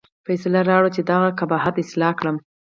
فیصله راوړه چې دغه قباحت اصلاح کړم.